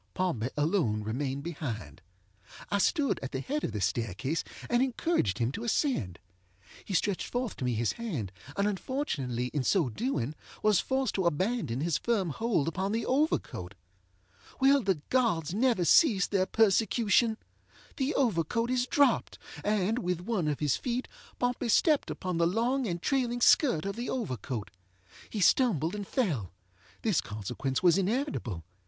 Pompey alone remained behind. I stood at the head of the staircase, and encouraged him to ascend. He stretched forth to me his hand, and unfortunately in so doing was forced to abandon his firm hold upon the overcoat. Will the gods never cease their persecution? The overcoat is dropped, and, with one of his feet, Pompey stepped upon the long and trailing skirt of the overcoat. He stumbled and fellŌĆöthis consequence was inevitable.